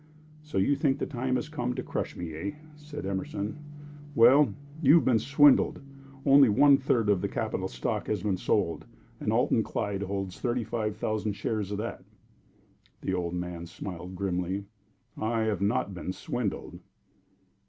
"So you think the time has come to crush me, eh?" said Emerson. "Well, you've been swindled. Only one third of the capital stock has been sold, and Alton Clyde holds thirty five thousand shares of that." The old man smiled grimly. "I have not been swindled."